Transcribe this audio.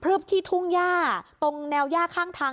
หลบที่ทุ่งหญ้าตรงแนวหญ้าข้างทาง